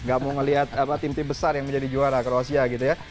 gak mau ngeliat tim tim besar yang menjadi juara kroasia gitu ya